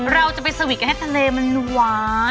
เราจะไปสวิกให้ทะเลมันหวาน